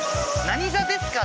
「何座ですか？」